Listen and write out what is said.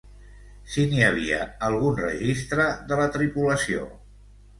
Si n'hi havia algun registre de la tripulació...